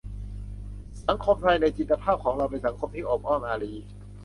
สังคมไทยในจินตภาพของเรา เป็นสังคมที่โอบอ้อมอารี